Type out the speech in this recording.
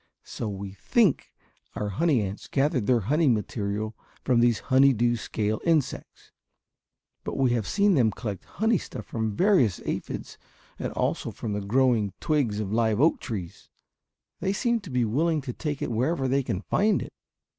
So we think our honey ants gathered their honey material from these honey dew scale insects. But we have seen them collect honey stuff from various aphids and also from the growing twigs of live oak trees. They seem to be willing to take it wherever they can find it.